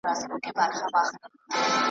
ته کامیاب یې تا تېر کړی تر هرڅه سخت امتحان دی .